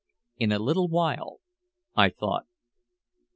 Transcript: "In a little while," I thought.